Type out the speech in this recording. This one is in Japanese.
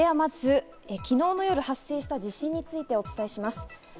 では、まず昨日の夜発生した地震についてお伝えします。